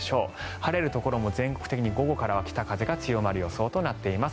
晴れるところも全国的に午後からは北風が強まる予想となっています。